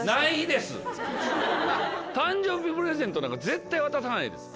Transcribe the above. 誕生日プレゼントなんか絶対渡さないです。